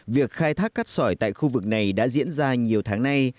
việc khai thác cát sỏi tại khu vực này đã diễn ra nhiều tháng nay